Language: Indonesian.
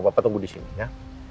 papa tunggu disini ya